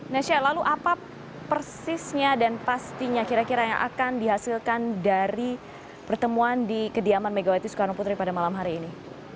nesya lalu apa persisnya dan pastinya kira kira yang akan dihasilkan dari pertemuan di kediaman megawati soekarno putri pada malam hari ini